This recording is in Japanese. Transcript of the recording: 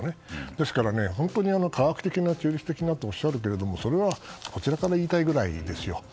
ですから、本当に科学的・中立的なとおっしゃるけれども、それはこちらから言いたいぐらいですよ。